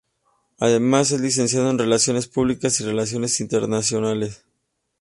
Además es Licenciado en Relaciones Públicas y Relaciones Internacionales.